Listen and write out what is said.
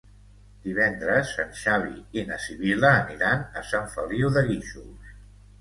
Divendres en Xavi i na Sibil·la aniran a Sant Feliu de Guíxols.